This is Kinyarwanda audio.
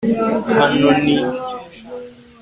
hano ni